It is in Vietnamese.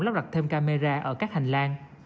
lắp đặt thêm camera ở các hành lang